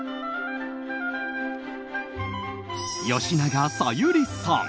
吉永小百合さん。